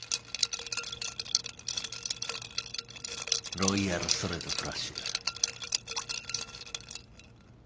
ロイヤルストレートフラッシュだ。